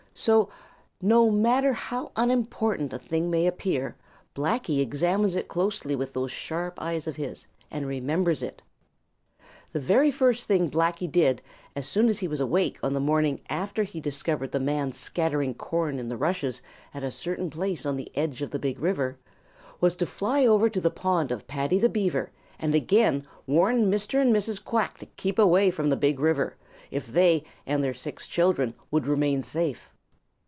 So, no matter how unimportant a thing may appear, Blacky examines it closely with those sharp eyes of his and remembers it. The very first thing Blacky did, as soon as he was awake the morning after he discovered the man scattering corn in the rushes at a certain place on the edge of the Big River, was to fly over to the pond of Paddy the Beaver and again warn Mr. and Mrs. Quack to keep away from the Big River, if they and their six children would remain safe.